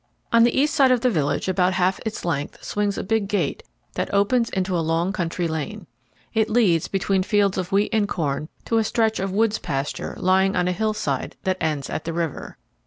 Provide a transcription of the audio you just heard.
On the east side of the village, about half its length, swings a big gate, that opens into a long country lane. It leads between fields of wheat and corn to a stretch of woods pasture, lying on a hillside, that ends at the river.